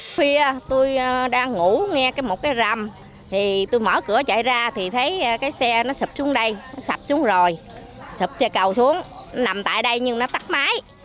khi tôi đang ngủ nghe một cái rầm tôi mở cửa chạy ra thì thấy cái xe nó sập xuống đây nó sập xuống rồi sập cây cầu xuống nằm tại đây nhưng nó tắt máy